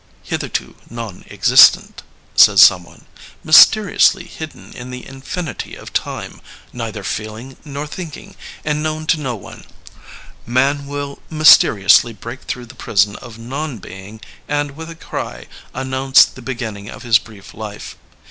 Hitherto non existent," says Someone, mysteriously hidden in the infinity of time, neither feeling nor thinking, and known to no one, Man will mysteriously break through the prison of non being and with a cry announce the beginning of his brief life.